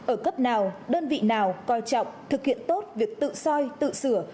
ở cấp nào đơn vị nào coi trọng thực hiện tốt việc tự soi tự sửa